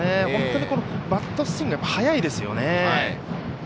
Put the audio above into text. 本当にバットスイングが速いですよね。